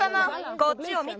こっちを見て！